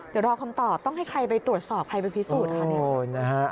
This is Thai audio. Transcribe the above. เดี๋ยวรอคำตอบต้องให้ใครไปตรวจสอบใครไปพิสูจน์ค่ะเนี่ย